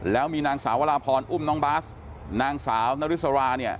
แล้วมีนางสาววราพรอุ้มน้องบาสนางสาวนริสราเนี่ย